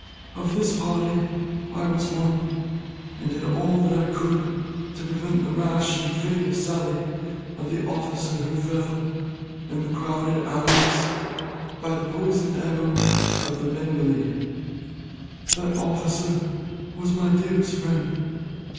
Of this party I was one, and did all I could to prevent the rash and fatal sally of the officer who fell, in the crowded alleys, by the poisoned arrow of a Bengalee. That officer was my dearest friend.